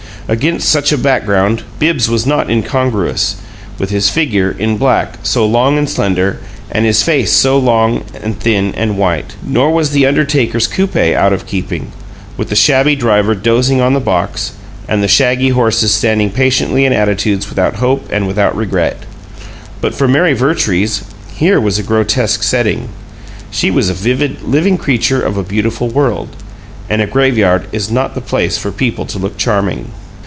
Against such a background, Bibbs was not incongruous, with his figure, in black, so long and slender, and his face so long and thin and white; nor was the undertaker's coupe out of keeping, with the shabby driver dozing on the box and the shaggy horses standing patiently in attitudes without hope and without regret. But for Mary Vertrees, here was a grotesque setting she was a vivid, living creature of a beautiful world. And a graveyard is not the place for people to look charming.